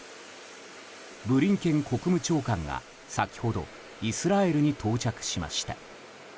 ブリンケン国務長官が先ほどイスラエルに到着しました。